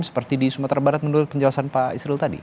seperti di sumatera barat menurut penjelasan pak isril tadi